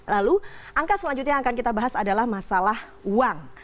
lalu angka selanjutnya yang akan kita bahas adalah masalah uang